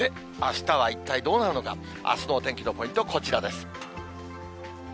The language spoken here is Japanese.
あしたは一体どうなるのか、あすのお天気のポイント、こちらです。